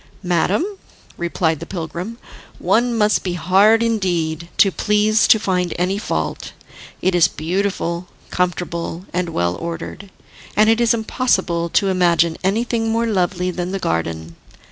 "Madam," replied the pilgrim, "one must be hard indeed to please to find any fault. It is beautiful, comfortable and well ordered, and it is impossible to imagine anything more lovely than the garden.